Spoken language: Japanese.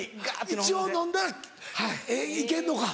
一応飲んだら行けんのか？